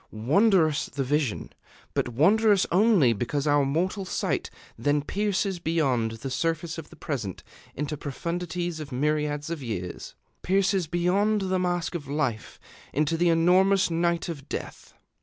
Wondrous the vision but wondrous only because our mortal sight then pierces beyond the surface of the present into profundities of myriads of years, pierces beyond the mask of life into the enormous night of death.